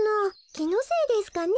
きのせいですかね？